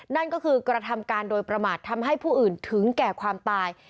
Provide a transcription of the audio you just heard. นั่นก็คือกระทำการโดยประมาททำให้ผู้อื่นถึงแก่ความตาย